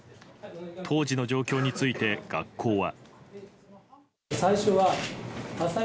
当時の状況について、学校は。